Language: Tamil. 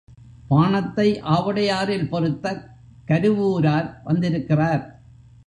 பாணத்தை ஆவுடையாரில் பொருத்தக் கருவூரார் வந்திருக்கிறார்.